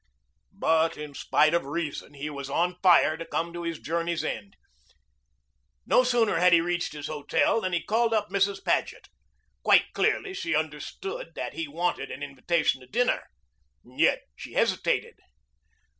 But in spite of reason he was on fire to come to his journey's end. No sooner had he reached his hotel than he called up Mrs. Paget. Quite clearly she understood that he wanted an invitation to dinner. Yet she hesitated.